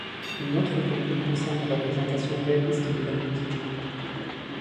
Une autre polémique concerne la représentation réaliste de la nudité.